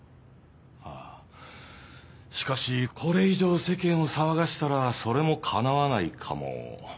あっしかしこれ以上世間を騒がしたらそれもかなわないかも。